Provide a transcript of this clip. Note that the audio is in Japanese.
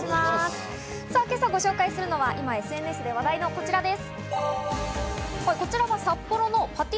今朝ご紹介するのは今、ＳＮＳで話題のこちらです。